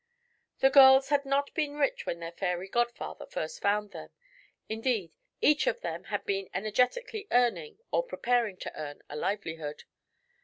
The girls had not been rich when their fairy godfather first found them. Indeed, each of them had been energetically earning, or preparing to earn, a livelihood.